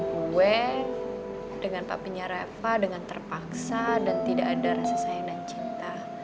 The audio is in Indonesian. kehidupan gue dengan papinya reva dengan terpaksa dan tidak ada rasa sayang dan cinta